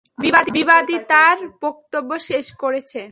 বিবাদী তার বক্তব্য শেষ করছে।